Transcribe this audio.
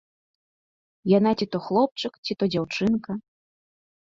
Яна ці то хлопчык, ці то дзяўчынка.